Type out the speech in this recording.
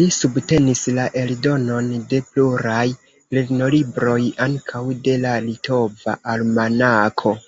Li subtenis la eldonon de pluraj lernolibroj, ankaŭ de la "Litova Almanako".